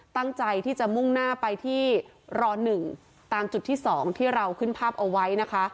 ตั้งใจที่จะมุ่งหน้าไปที่ร๑ตามจุดที่๒ที่เราขึ้นภาพเอาไว้นะคะ